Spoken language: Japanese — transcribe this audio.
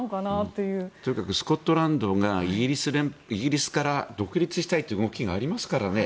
とにかくスコットランドがイギリスから独立したいという動きがありますからね。